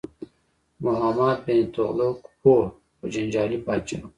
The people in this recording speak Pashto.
محمد بن تغلق پوه خو جنجالي پاچا و.